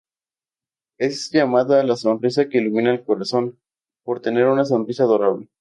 Es llamada "La sonrisa que ilumina el corazón" por tener una sonrisa adorable.